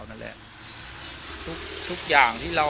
วันนี้ก็จะเป็นสวัสดีครับ